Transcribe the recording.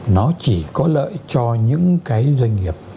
nó chỉ có lợi cho những cái doanh nghiệp